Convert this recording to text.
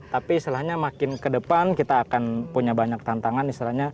tapi istilahnya makin ke depan kita akan punya banyak tantangan